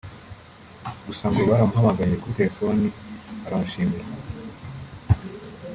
gusa ngo baramuhamagaye kuri telefoni baramushimira